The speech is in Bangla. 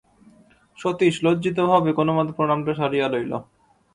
সতীশ লজ্জিতভাবে কোনোমতে প্রণামটা সারিয়া লইল।